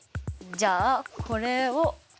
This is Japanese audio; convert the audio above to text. じゃあこれを。